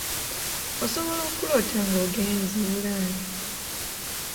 Osobola okuloota nga ogenze Bulaaya.